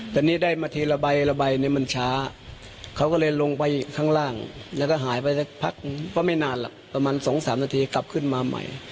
แต่นี่ได้มาทีละใบละใบเนี่ยมันช้าเขาก็เลยลงไปข้างล่างแล้วก็หายไปสักพักก็ไม่นานหรอกประมาณ๒๓นาทีกลับขึ้นมาใหม่